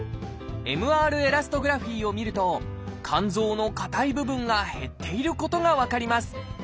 ＭＲエラストグラフィを見ると肝臓の硬い部分が減っていることが分かります。